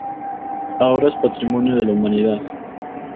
Ahora es Patrimonio de la Humanidad.